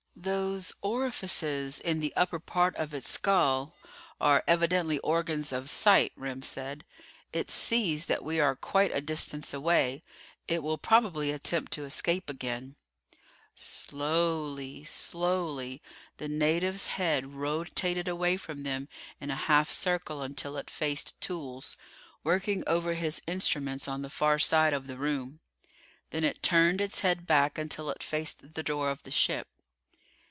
"Those orifices in the upper portion of its skull are evidently organs of sight," Remm said. "It sees that we are quite a distance away. It will probably attempt to escape again." Slowly slowly the native's head rotated away from them in a half circle until it faced Toolls, working over his instruments on the far side of the room. Then it turned its head back until it faced the door of the ship.